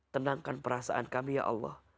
tenangkan perasaan kami ya allah